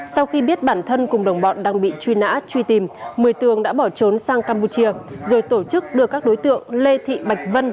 sau khi biết bản thân cùng đồng bọn đang bị truy nã truy tìm mười tường đã bỏ trốn sang campuchia rồi tổ chức đưa các đối tượng lê thị bạch vân